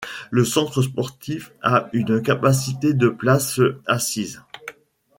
Le centre sportif a une capacité de places assises.